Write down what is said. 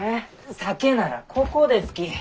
酒ならここですき。